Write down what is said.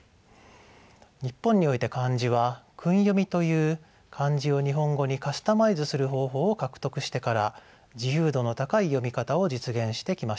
日本において漢字は訓読みという漢字を日本語にカスタマイズする方法を獲得してから自由度の高い読み方を実現してきました。